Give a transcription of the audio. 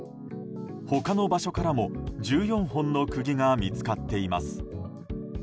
他の場所からも１４本の釘が見つかっています。